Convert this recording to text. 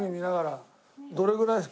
どれぐらいです？